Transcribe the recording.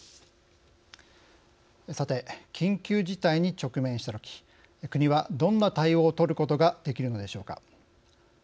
さて、緊急事態に直面したとき国は、どんな対応を取ることができるのでしょうか。